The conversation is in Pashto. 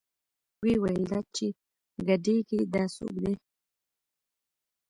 ويې ويل دا چې ګډېګي دا سوک دې.